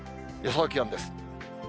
予想気温です。